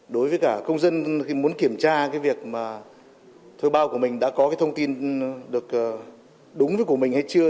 đối với cả công dân khi muốn kiểm tra cái việc mà thuê bao của mình đã có cái thông tin được đúng với của mình hay chưa